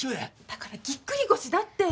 だからぎっくり腰だって！